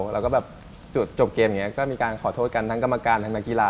แล้วก็แบบจุดจบเกมอย่างนี้ก็มีการขอโทษกันทั้งกรรมการทั้งนักกีฬา